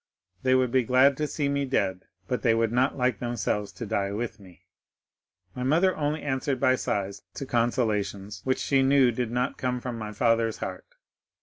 They would be glad to see me dead, but they would not like themselves to die with me.' "My mother only answered by sighs to consolations which she knew did not come from my father's heart.